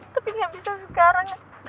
tapi gak bisa sekarang